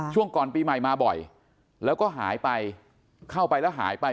ช่วงก่อนปีใหม่มาบ่อยแล้วก็หายไปเข้าไปแล้วหายไป